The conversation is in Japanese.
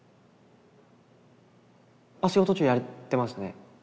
お仕事中やってましたね。